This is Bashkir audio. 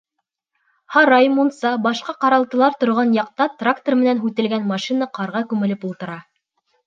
Һарай, мунса, башҡа ҡаралтылар торған яҡта трактор менән һүтелгән машина ҡарға күмелеп ултыра.